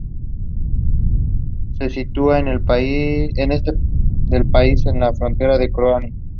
Se sitúa al este del país, en la frontera con Croacia.